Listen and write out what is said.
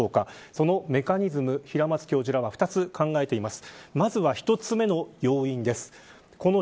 そのメカニズム平松教授らは２つ考えています。